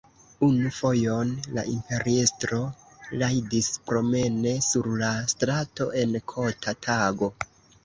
Unu fojon la imperiestro rajdis promene sur la strato en kota tago.